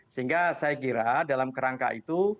sehingga saya kira dalam kerangka itu